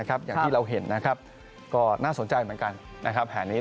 อย่างที่เราเห็นก็น่าสนใจเหมือนกันแผนนี้